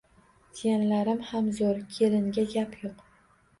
Jiyanlarim ham zoʻr, kelinga gap yoʻq.